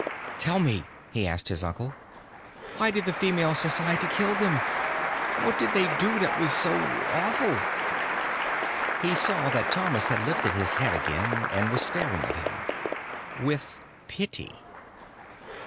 "Tell me," he asked his uncle. "Why did the Female Society kill them? What did they do that was so awful?" He saw that Thomas had lifted his head again and was staring at him. With pity.